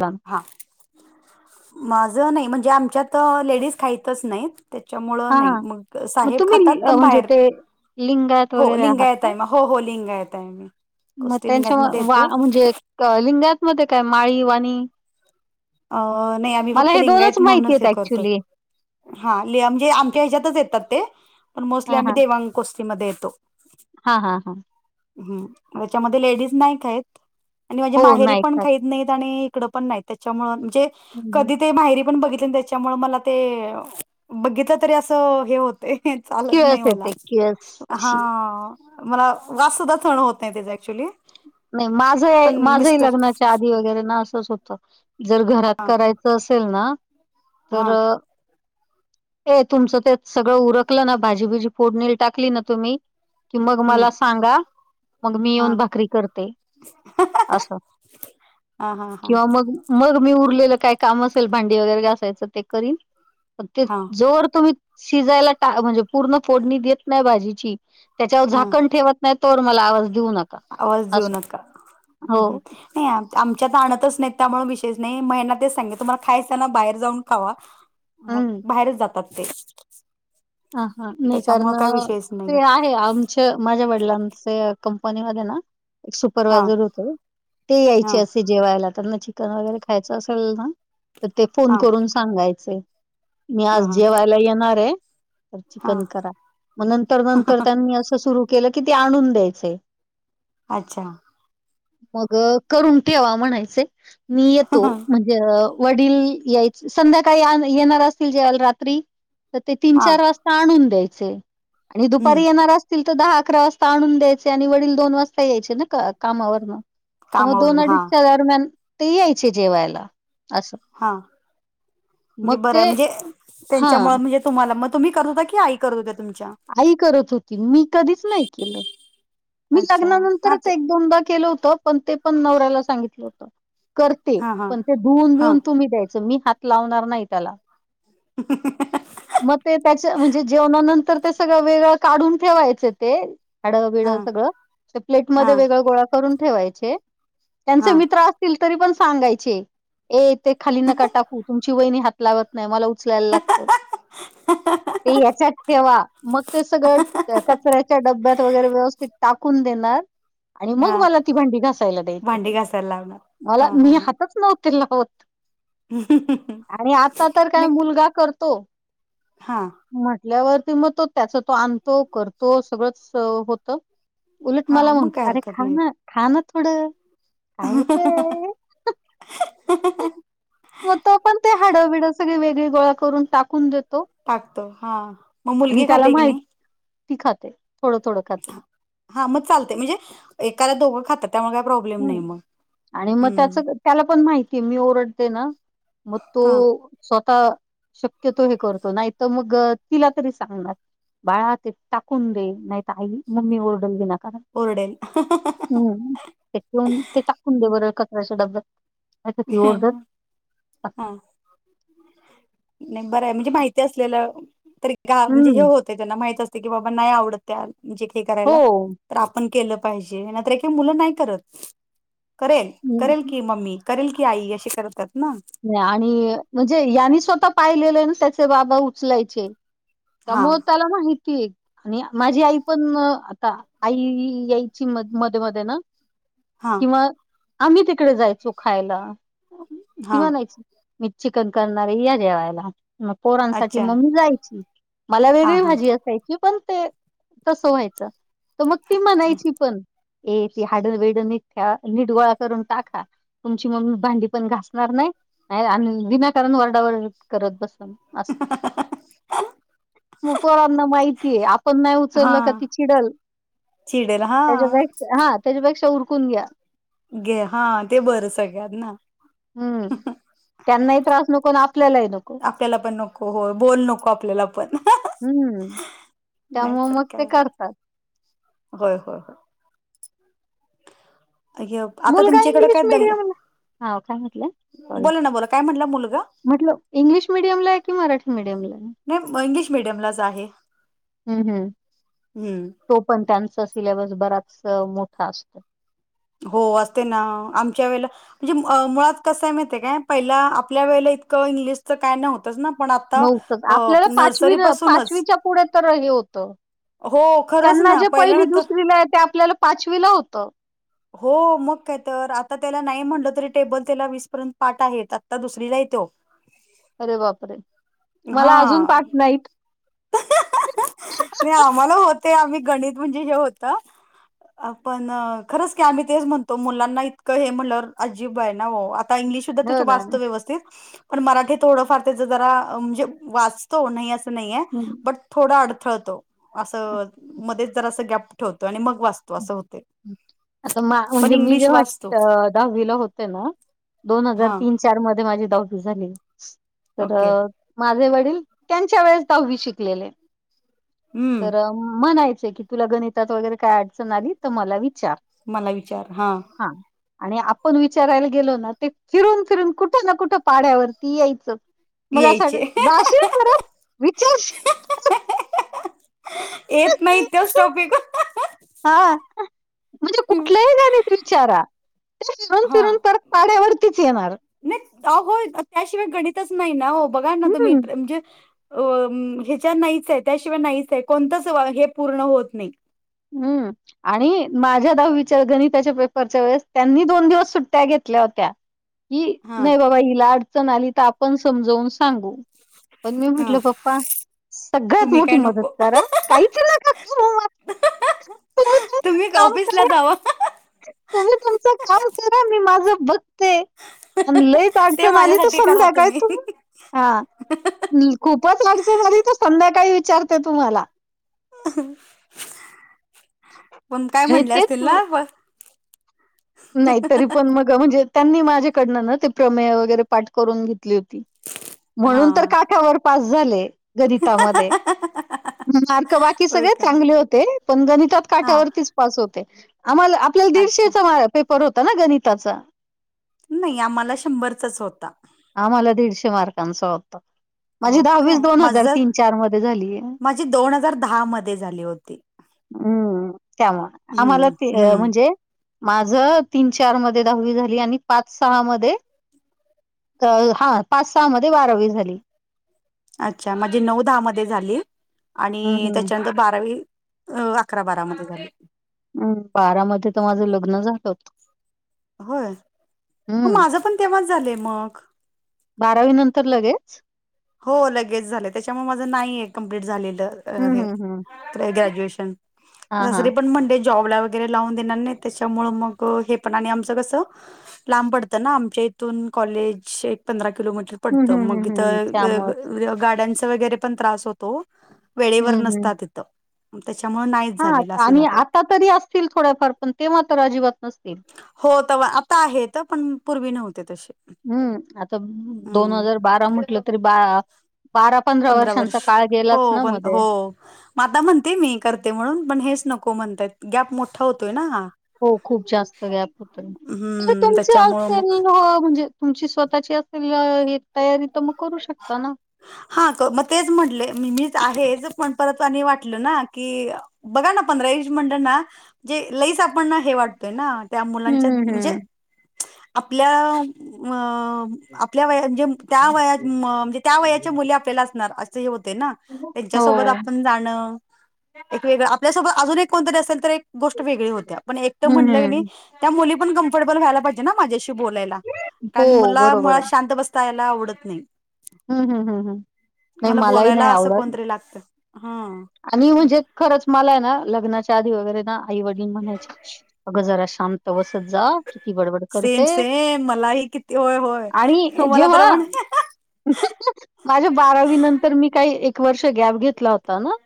वा हा. माझं नाही म्हणजे आमच्यात लेडीज खायतच नाहीत. त्याच्यामुळ नाही हां. मग साहेब खातात तुम्ही अ, पण म्हणजे बाहेर. ते लिंगायत हो, वगैरे आहात लिंगायत का? आहे मा- हो हो लिंगायत आहे मी. मग कुस्ती त्यांच्या लिंगायत मध्ये येतो वाण म्हणजे क लिंगायतमध्ये काय माळी वाणी? अ नाही आम्ही मला फक्त हे लिंगायत माहिती म्हणूनच आहेत हे करतो. ॲक्चुअली. हा लियामजे आमच्या ह्याच्यातच येतात ते, पण मोस्टली आम्ही देवां- कुस्तीमध्ये येतो. हा हा हा याच्यामध्ये लेडीज नाही खायत आणि माझ्या हो, नाही माहेरीपण खात. खाईत- नाहीत आणि इकडे पण नाही त्याच्यामुळे म्हणजे हं, हं. कधीतरी माहेरी पण बघितलेली- त्यामुळे मला ते बघितलं तरी अस हे होत. ते चालत किळस नाही मला येते किळस हा अशी. मला वास सुद्धा सहन होत नाही त्याचा ऍक्च्युली. नाही माझय पण माझही मिस्टर लग्नाच्या आधी वगैरे ना असंच होत. जर, घरात हा कराय.. चं असेल ना, हा तर हे तुमचं ते सगळं उरकलं ना भाजीबिजी फोडणीला टाकली ना तुम्ही कि मग हम्म मला सांगा. मग मी हा येऊन भाकरी करते. असं हा हा हा किंवा मग मग मी उरलेलं काय काम असेल, भांडी वगैरे घासायचं ते करीन. अन् ते हा जोवर तुम्ही शिजायला टा म्हणजे पूर्ण फोडणी देत नाही भाजीची. त्याच्यावर हा झाकण ठेव... त नाही. तोवर मला आवाज देऊ नका. आवाज देऊ असं नका. हो नाही आमच्यात आणतच नाही. त्यामुळे विषयंच नाही. म यांना तेच सांगते. तुम्हाला खायचं ना! बाहेर जाऊन खावा. मग हम्म बाहेरच जातात ते. हा हा नाही कारण त्याच्यामुळे काय विषयच नाही ते आहे. आम च माझ्या वडिलांच कंपनी मध्ये ना हा सुपरवायझर होते. ते हा यायचे असे जेवायला त्यांना चिकन वगैरे खायचं असेल ना. तर, ते फोन हा करून सांगायचे. मी हा आज हा जेवायला येणारे. तर हा चिकन करा. मग नंतर नंतर त्यांनी असं सुरु केलं की ते आणून द्यायचे. अच्छा मग करून ठेवा म्हणायचे, मी येतो. म्हण वडील यायच संध्याकाळी येणार असतील जेवायला रात्री तर ते तीन हा चार वाजता आणून द्यायचे. आणि हम्म दुपारी येणार अस असतील तर दहा अकरा वाजता आणून द्यायचे. आणि वडील दोन वाजता यायचे ना का कामावरणं. त म कामावरून दोन हा अडीचच्या दरम्यान ते यायचे जेवायला. असं हा म्हणजे मग ते बरंय म्हणजे हा त्यांच्यामूळ म्हणजे तुम्हाला मग तुम्ही करत होता. की, आई करत होत्या तुमच्या? आई करत होती. मी कधीच नाही केलं. मी अच्छा हा लग्नानंतरच ते एक दोनदा केलं होतं. पण ते पण नवऱ्याला सांगितलं होत. करते. हा हा पण ते धुऊन हा बिऊन तुम्ही द्यायचं. मी हात लावणार नाही त्याला. [inaudible] मग ते त्याच्या म्हणजे जेवणानंतर ते सगळं वेगळं काढून ठेवायचं ते. हाडं बिड हा सगळं ते हा प्लेटमध्ये वेगळं गोळा करून ठेवायचे त्यांचे हा मित्र अ तील तरी पण सांगायचे, ए ते खाली नका टाकू. तुमची वहिनी हात लावत नाही. मला ऊ चलायला लागतं. ते याच्यात ठेवा. मग ते सगळं--कचऱ्याच्या डब्यात वगैरे, व्यवस्थित कून देणार. आणि हा मग मला ती भांडी घासायला द्यायचे भांडी ते, घासायला लावणार हा हा मला--मी हा हाताचं नव्हते लावत. आणि आत्ता तर काय नाही मुलगा करतो. हा म्हटल्यावरती मग तो त्याच तो आणतो, करतो सगळंच होतं. उलट हा मला मग म्हणतो. काय अरे हरकत नाही खाना--खाना थोडं काय होतंय मग तो पण ते हाडं बीडं सगळी वेगळी गोळा करून टाकून देतो. टाकतो. हा! मग आणि मुलगी त्याला खाते की माहिती नाही? ती खाते थोडं--थोडं. खाते. हा मग चालतंय म्हणजे एकाला दोघं खातात त्यामुळे काय प्रॉब्लेम नाही हम् मग आणि मग त्याच हम्म त्याला पण माहिती, मी ओरडते ना मग तो हा स्वतः शक्यतो हे करतो, नाही तर मग तिला तरी सांगणार. बाळा ते टाकून दे, नाहीतर आई मम्मी ओरडल वीना कारण. ओरडेल. हा.. हा.. हा. हम्म. ते ठेऊन, ते टाकून दे बरं कचऱ्याच्या डब्यात. नाही ती ओरडल हं. हा. मेंबर आहे, म्हणजे माहिती असलेलं तरी का? म्हणजे हे हम्म होतं त्यांना माहित असते की, बाबा नाही आवडत त्या जे काही हो करायला. तर आपण केलं पाहिजे. नाही तर का मुलं नाही करत. करेल, करेल हम्म की मम्मी. करेल की आई. अशी करतात ना नी आणि म्हणजे यांनी स्वतः पाहिलेलं आहे ना त्याचे बाबा उचलायचे. हा त्यामुळे त्याला माहितीय. आणि माझी आई पण आता, आई यायची मध मध्ये मध्ये ना. हा किंवा आम्ही तिकडे जायचो खायला. ती हा म्हणायची, मी चिकन करणारे या जेवायला. मग पोरांनसाठी अच्छा मग मी जायची. मला हा वेगळी हा भाजी असायची पण ते तसं व्हायचं. तर मग ती अच्छा म्हणायची पण ए ती हाडं बीडं निट ठेवा, निट गोळा करून टाका. तुमची मम्मी भांडी पण घासती. करणार नाही, नाही आणि विनाकारण वरडावरड करत बसतात असं मग पोरांना माहितीये, आपण नाही हा उचललं का ती चिडल चिडेल हा [unintelligible] हा, त्याच्यापेक्षा उरकून घ्या. घे हा! ते बरं सगळ्यात ना. हं, त्यांनाही त्रास नको आणि आपल्यालाही नको. त्याला पण नको होय, बोल नको आपल्याला पण... हम्म. नाही त्यामुळे तर मग ते काय? करतात. होय होय होय. आ.. ए.. ब आता मुलगा तुमच्याकडे इंग्लिश काय दंग.........., मीडियमला हां, काय म्हटलं? सॉरी. बोला ना बोला काय म्हटला मुलगा? म्हटलं इंग्लिश मिडियमला आहे की, मराठी मिडियमला आहे? नाही इंग्लिश मिडियमलाच आहे. हम्म हम्, हम्म. तो पण त्यांचा सिलॅबस बराच मोठा असतो. हो, असते ना. आमच्या वेळेला म्हणजे मुळात कसंय माहिती आहे का, पहिला आपल्या वेळेला इतकं इंग्लिशचं काय नव्हतं. तेच ना, पण आता चं आपल्याला नर्सरी न पासूनच पुढे तर हे होतं. खरंच त्यांना ना. जे पहिल्या पहिली, तर दुसरीला आहे ते आपल्याला पाचवीला होतं. हो! मग काय तर आता त्याला नाही म्हटलं तरी, टेबल त्याला वीसपर्यंत पाठ आहेत. आता दुसरीला आहे तो. अरे बापरे! मला अजून पाठ हां. नाहीत. नाही, आम्हाला होते. आम्ही गणित म्हणजे हे होतं आपण खरंच की आम्ही तेच म्हणतो, मुलांना इतकं हे म्हणलं अजिब आहे ना ओ. काही इंग्लीश शब्द, हो तो ना. वाचतो व्यवस्थित. पण मराठी थोडंफार त्याचं जरा म्हणजे वाचतो, नाही असं नाहीये हम्. थोडा अडथळतो असं मध्येच जर गॅप ठेवतो आणि मग वाचत हं. असं होते. आता पण म्हणजे मी जे इंग्लिश वाट वाचतो दहावीला होते ना, दोन हजार हा तीन हजार चार मध्ये माझी दहावी झाली. तर ओके माझे वडील त्यांच्या वेळेस दहावी शिकलेले. हम्म तर म्हणायचे कि तुला गणितात वगैरे काय अडचण आली तर मला विचार. मला विचार. हा. हा. आणि आपण विचारायला गेलो ना, ते फिरून फिरून कुठं ना कुठं पाढ्यावरती यायचं. मग अश्या वेळी, यायचे जाशील परत विचारशील. हाहा. येत नाही तोच टॉपिक. हा. म्हणजे कुठल्याही गणीत विचारा, ते फिरून हा फिरून परत पाड्यावरतीच येणार. नाही. होय. त्याशिवाय गणितच नाही ना हो बघा ना तुम्ही हम्म. म्हणजे, हो. अ ह्याच्या नाहीच आहे त्याशिवाय नाहीच आहे. कोणतच हे पूर्ण होत नाही. हम्. आणि माझ्या दहावीच्या गणिताच्या पेपरच्या वेळेस त्यांनी दोन दिवस सुट्ट्या घेतल्या होत्या. [inaudible] ही, हा नाही बाबा हिला अडचण आली तर आपण समजवून सांगू. पण मी हा म्हटलं, पप्पा सगळ्यात तुम्ही मोठी काय मदत नको करा. काहीच नका करू. तुमचं तुम्ही काम ऑफिस ला करा जावा. तुम्ही तुमचं काम करा. मी माझ बघते. आणि लईच ते अडचण आली तर माझ्यासाठी करा संध्याकाळी तुम्ही हा. खूपच अडचण आली तर संध्याकाळी विचारते तुम्हाला. पण काय आणि म्हटले असतील तेच ना. नाही तरी पण मग म्हणजे त्यांनी माझ्याकडनं ना ते प्रमेय वगैरे पाठ करून घेतली होती. हा म्हणून तर काठावर पास झाले, गणितामध्ये. मार्क बाकी होय सगळे्यात काय चांगले होते पण गणितात हा काठावरतीच. पास होते. आम्हाला आपल्याला अच्छा दीडशेचा पेपर होता ना गणिताचा. नाही आम्हाला शंभरचाच होता. आम्हाला दीडशे मार्कांचं होता. माझी हो दहावीच काय दोन हजार माझं तीन चार मध्ये झालीय. माझी दोन हजार दहा मध्ये झाली होती. हम्म. त्यामुळे आम्हाला हम्म ते हम्म म्हणजे, माझ तीन चार मध्ये दहावी झाली आणि पाच सहा मध्ये, हा पाच सहा मध्ये बारावी झाली. अच्छा! माझी नऊ दहा मध्ये झाली हम्म आणि हम्म त्याच्यानंतर, बारावी अ अकरा बारामध्ये झाली. हम्. बारामध्ये तर माझं लग्न झालं होतं. होय. हं, माझं पण तेव्हाच झालंय मग. बारावी नंतर लगेच. हो. लगेच झालं. त्याच्यामुळे माझं नाही आहे कमप्लीट हं, झालेलं हे हं, हं. ग्रॅज्युएशन. हां, हां. [unintelligible] पण मंडे जॉबला तेला लावून देणार नाहीत. त्याच्यामुळ मग, हे पण आणि आमचं कसं, लांब पडत ना आमच्या इथून कॉलेज. एक पंधरा किलोमीटर हं, पडत. हं, हं, मग इथ हं. त्यामुळेच. गाड्यांचा वगैरे पण त्रास होतो. वेळेवर नसतात इथ. त्याच्यामुळ नाही. हा आणि आता तरी असतील थोड्याफार पण ते मात्र अजिबात नसतील. हो तर आता आहे. पण पूर्वी नव्हते तसे. हम्म. आता दोन हम्म हजार बारा म्हटलं तरी ब बारा पंधरा वर्ष हो प हो. आता म्हणते मी करते म्हणून पण हेच नको म्हणताय. गॅप मोठा होतोय ना हा. हो खूप जास्त गॅप होत हम्म तुमचे त्याच्यामुळं मग असेल म्हणजे तुमची स्वतःची असेल तयारी तर मग करू शकता ना. हा मग तेच म्हटले मी मीच आहेच पण परत आणि वाटलं ना की बघा ना पंधरा एज म्हटलं ना पण हे वाटतय ना त्या मुलांच्या हं, म्हणजे हं. आपल्या -आपल्या वे त्या व म्हणजे त्या व मु आपल्या असणार अस होते ना त्यांच्यासोबत हो. आपण जाण एक वेगळं आपल्यासोबत अजून एक कोणतरी असेल तर एक गोष्ट वेगळी होत्या पण एकट हं, म्हटलं हं. क त्या मुली पण कम्फर्टेबल व्हायला पाहिजे ना माझ्याशी बोलायला कारण हो, मुला बरोबर मुळात शांत बस यला आवडत नाही. हम्म - हम्म - हम्म - हम्म. मला बोलायला असं कोणतरी लागत हा. आणि म्हणजे खरंच मला आहे ना. लग्नाच्या आधी वगैरे ना आई वडील म्हणायचे अगं जरा शांत बसत जा किती बडबड सेम करते. सेम मलाही किती होय होय आणि मला तर जेव्हा म्हण माझ्या बारावी नंतर मी काही एक वर्ष गॅप घेतला होता ना.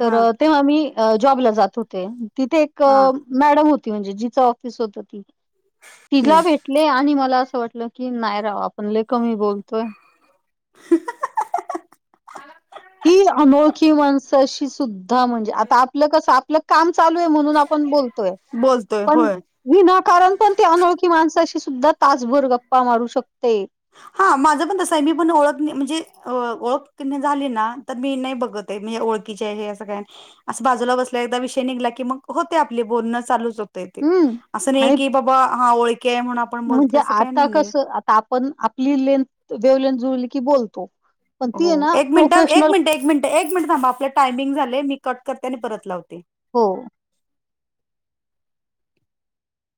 तर तेव्हा मी जॉबला जात होते. तिथे एक हा मॅडम होती. म्हणजे जिचं ऑफिस होत. ती तिला हम्म भेट आणि मला असं वाटलं की नाही राव आपण लय कमी बोलतोय. [inaudible] ही अनोळखी माणसाशी सुद्धा म्हणजे आता आपलं कसं आपलं काम चालू आहे म्हणून आपण बोलतोय बोलतोय पण होय विनाकारण पण ते अनोळखी माणसाशी सुद्धा तासभर गप्पा मारू शकते. हा माझं पण तस आहे मी पण ओळख म्हणजे ओळख झाली ना. तर मी नाही बघत हे ओळखीचे आहे हे असं काय अस बाजूला बसल्या एकदा विषय निघला की मग होते आपले बोलणं चालूच होत ते हम्म असं नाही आणि की बाबा हा ओळखी आहे म्हणून आप म्हणजे आता कसं आता आपण आपली लेंथ लेवल जुळली की बोलतो. पण ती हो आहे ना एक मिनिट, एक प्रोफेशनल मिनिट, एक मिनिट, एक मिनट थांब आपलं टायमिंग झाले मी कट करते आणि परत लावते. हो.